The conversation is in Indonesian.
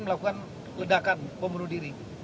melakukan ledakan pembunuh diri